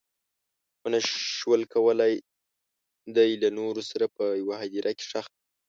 ونه شول کولی دی له نورو سره په یوه هدیره کې ښخ کړي.